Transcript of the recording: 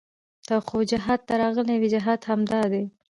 ته خو جهاد ته راغلى وې جهاد همدا دى.